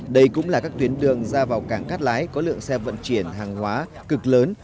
đây cũng là các tuyến đường ra vào cảng cát lái có lượng xe vận chuyển hàng hóa cực lớn